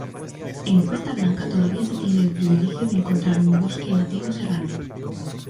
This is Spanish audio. En Cuesta Blanca todavía se tiene el privilegio de encontrar un bosque nativo serrano.